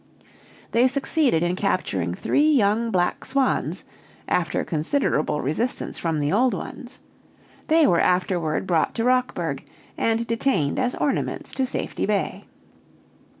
They succeeded in capturing three young black swans, after considerable resistance from the old ones. They were afterward brought to Rockburg, and detained as ornaments to Safety Bay.